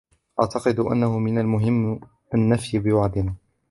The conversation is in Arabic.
أعتقد أنه من المهم أن نفي بوعدنا.